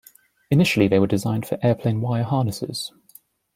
Initially they were designed for airplane wire harnesses.